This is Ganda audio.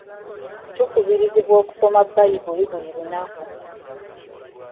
Tukubirizibwa okusoma Bbayibuli buli lunaku.